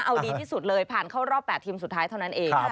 เอาดีที่สุดเลยผ่านเข้ารอบ๘ทีมสุดท้ายเท่านั้นเอง